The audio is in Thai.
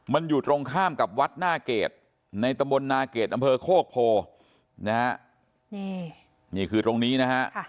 มันอยู่ตรงข้ามกับวัดนาเกษในตะบลนาเกษอำเภอโคโภนี่คือตรงนี้นะฮะ